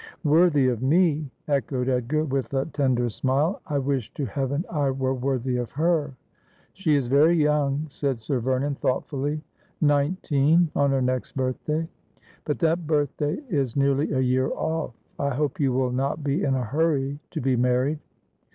'Worthy of me!' echoed Edgar, with a tender smile; 'I wish to Heaven I were worthy of her.' ' She is very young,' said Sir Vernon thoughtfully. ' Nineteen on her next birthday.' ' But that birthday is nearly a year off. I hope you will not be in a hurry to be married.'